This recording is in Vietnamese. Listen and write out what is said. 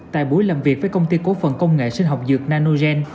tại buổi làm việc với công ty cổ phần công nghệ sinh học dược nanogen